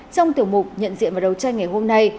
trong tiểu mục nhận diện và đấu tranh ngày hôm nay